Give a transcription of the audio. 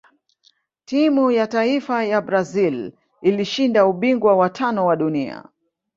timu ya taifa ya brazil ilishinda ubingwa wa tano wa dunia